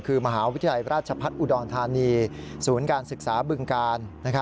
คือมหาวิทยาลัยราชพัฒน์อุดรธานีศูนย์การศึกษาบึงกาล